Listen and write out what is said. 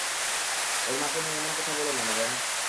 ওর মাকে নিয়ে এমন কথা বলো না, নরেন।